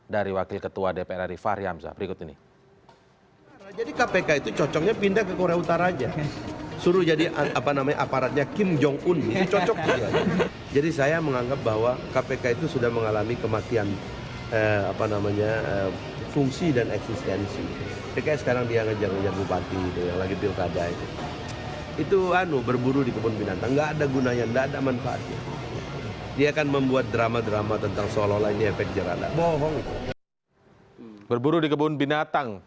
dari kebun binatang